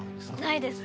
ないです